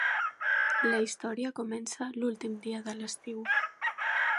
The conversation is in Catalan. La història comença l'últim dia de l'estiu.